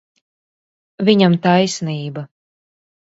Viņam taisnība.